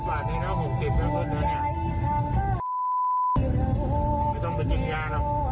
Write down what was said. เพราะเราไม่ค่อยดื่มไม่ไหวอ่ะไม่อยากมันเหนื่อย